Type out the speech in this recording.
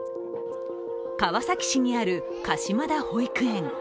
川崎市にある、かしまだ保育園。